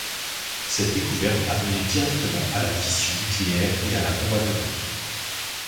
Cette découverte a mené directement à la fission nucléaire et à la bombe atomique.